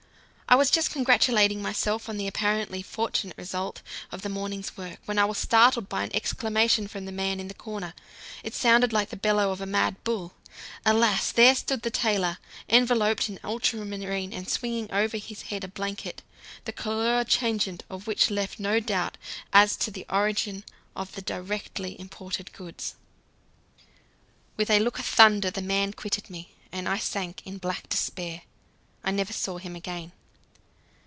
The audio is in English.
I was just congratulating myself on the apparently fortunate result of the morning's work when I was startled by an exclamation from the man in the corner. It sounded like the bellow of a mad bull. Alas! there stood the tailor enveloped in ultramarine, and swinging over his head a blanket, the couleur changeante of which left no doubt as to the origin of the "directly imported" goods. With a look of thunder the man quitted me, and I sank in black despair. I never saw him again.